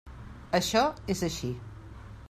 Això és així.